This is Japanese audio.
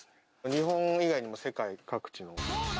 日本以外にも世界各地の。